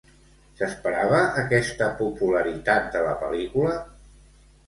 S'esperava aquesta popularitat de la pel·lícula?